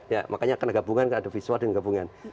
iya makanya karena gabungan karena ada visual dan gabungan